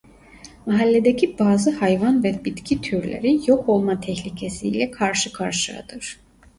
Mahalledeki bazı hayvan ve bitki türleri yok olma tehlikesi ile karşı karşıyadır.